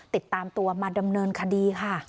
ติดตามตัวมาดำเนินคดีค่ะ